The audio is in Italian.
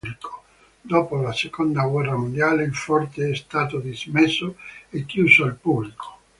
Dopo la seconda guerra mondiale il forte è stato dismesso e chiuso al pubblico.